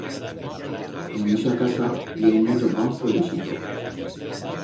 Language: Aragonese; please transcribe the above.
En ixa casa i hai muito pan floreixito.